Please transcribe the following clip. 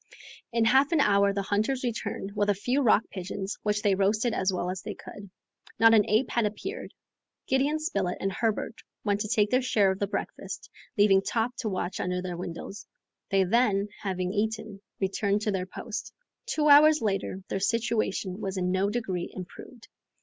In half an hour the hunters returned with a few rock pigeons, which they roasted as well as they could. Not an ape had appeared. Gideon Spilett and Herbert went to take their share of the breakfast, leaving Top to watch under the windows. They then, having eaten, returned to their post. Two hours later, their situation was in no degree improved.